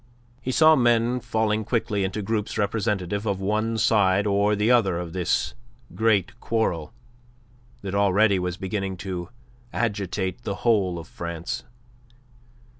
He saw men falling quickly into groups representative of one side or the other of this great quarrel that already was beginning to agitate the whole of France.